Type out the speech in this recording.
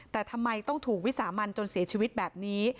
แต่ทำไมต้องถูกวิสามันจนเสียชีวิตแบบนี้